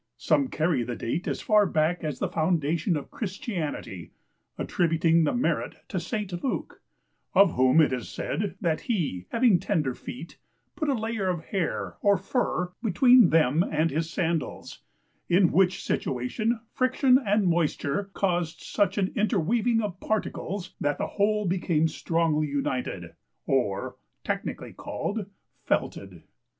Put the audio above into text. Some carry the date as far back as the foundation of Christianity, attributing the merit to St. Luke, of whom it is said, that he, having tender feet, put a layer of hair or fur between them and his sandals, in which situation friction and moisture caused such an interweaving of particles, that the whole became strongly united, or (technically called) FELTED.